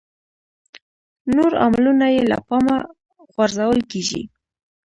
نور عاملونه یې له پامه غورځول کېږي.